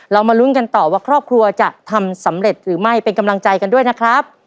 มาลุ้นกันต่อว่าครอบครัวจะทำสำเร็จหรือไม่เป็นกำลังใจกันด้วยนะครับ